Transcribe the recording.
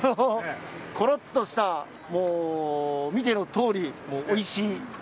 ころっとした見てのとおり、おいしい。